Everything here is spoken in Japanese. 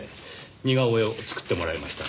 似顔絵を作ってもらいました。